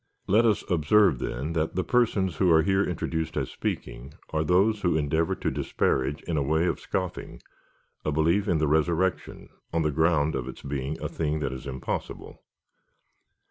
Let us observe, then, that the persons who are here introduced as speaking, are those who endeavour to disparage, in a way of scoffing, a belief in the resurrection, on the ground of its being a thing that is impossible.